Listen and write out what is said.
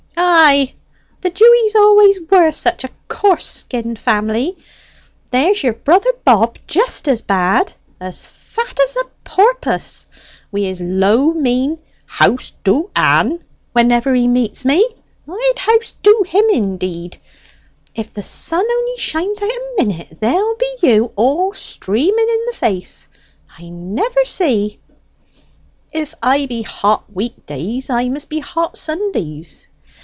"Ay, the Dewys always were such a coarse skinned family. There's your brother Bob just as bad as fat as a porpoise wi' his low, mean, 'How'st do, Ann?' whenever he meets me. I'd 'How'st do' him indeed! If the sun only shines out a minute, there be you all streaming in the face I never see!" "If I be hot week days, I must be hot Sundays."